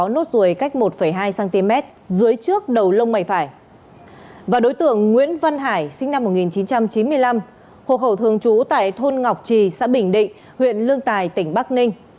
nguyễn văn hải sinh năm một nghìn chín trăm chín mươi năm hộ khẩu thường trú tại thôn ngọc trì xã bình định huyện lương tài tỉnh bắc ninh